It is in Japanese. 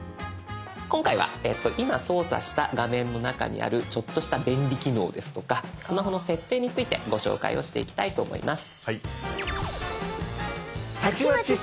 今回は今操作した画面の中にあるちょっとした便利機能ですとかスマホの設定についてご紹介をしていきたいと思います。